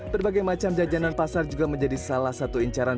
berbagai macam jajanan pasar juga menjadi salah satu incaran